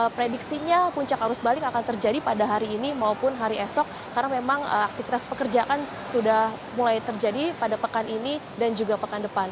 prediksinya puncak arus balik akan terjadi pada hari ini maupun hari esok karena memang aktivitas pekerjaan sudah mulai terjadi pada pekan ini dan juga pekan depan